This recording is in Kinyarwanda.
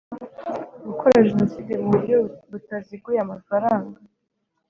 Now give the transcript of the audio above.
gukora jenoside mu buryo butaziguye amafaranga